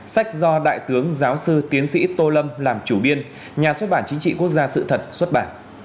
sách do đại tướng giáo sư tiến sĩ tô lâm làm chủ biên nhà xuất bản chính trị quốc gia sự thật xuất bản